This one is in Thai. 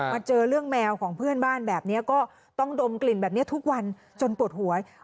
เจอเรื่องแมวของเพื่อนบ้านแบบนี้ก็ต้องดมกลิ่นแบบนี้ทุกวันจนปวดหัว